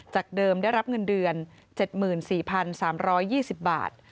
เดิมได้รับเงินเดือน๗๔๓๒๐บาท